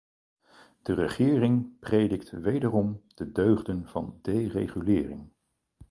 De regering predikt wederom de deugden van deregulering.